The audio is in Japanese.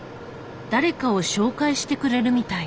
誰かを紹介してくれるみたい。